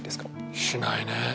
しないね。